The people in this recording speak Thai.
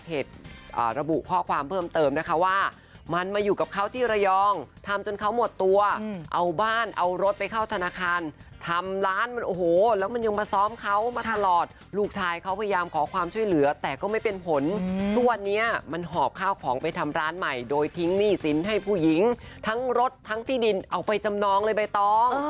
ระบุข้อความเพิ่มเติมนะคะว่ามันมาอยู่กับเขาที่ระยองทำจนเขาหมดตัวเอาบ้านเอารถไปเข้าธนาคารทำร้านมันโอ้โหแล้วมันยังมาซ้อมเขามาตลอดลูกชายเขาพยายามขอความช่วยเหลือแต่ก็ไม่เป็นผลทุกวันนี้มันหอบข้าวของไปทำร้านใหม่โดยทิ้งหนี้สินให้ผู้หญิงทั้งรถทั้งที่ดินเอาไปจำนองเลยใบตอง